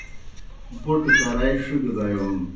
بوٹہ کرائے ݜگہ دیون